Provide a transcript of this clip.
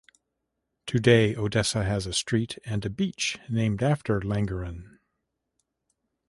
Today Odessa has a street and a beach named after Langeron.